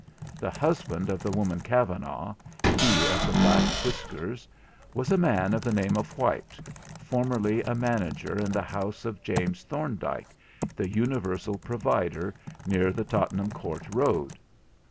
The husband of the woman Kavanagh—he of the black whiskers—was a man of the name of Whyte, formerly a manager in the house of James Thorndike, the Universal Provider near the Tottenham Court Road.